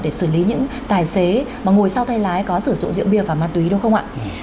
để xử lý những tài xế mà ngồi sau thay lái có sử dụng rượu bia và ma túy đúng không ạ